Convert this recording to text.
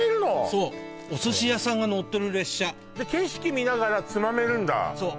そうお寿司屋さんが乗ってる列車景色見ながらつまめるんだそう